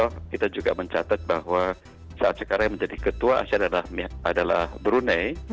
kita juga mencatat bahwa saat sekarang yang menjadi ketua asean adalah brunei